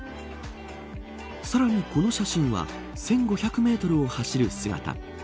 さらに、この写真は１５００メートルを走る姿。